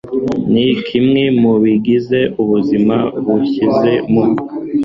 ni kimwe mu bigize ubuzima bushyize mu